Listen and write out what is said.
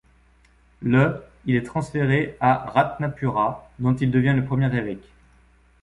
Le il est transféré à Ratnapura dont il devient le premier évêque.